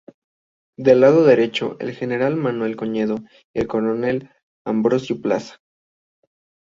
Del lado derecho, el general Manuel Cedeño y el coronel Ambrosio Plaza.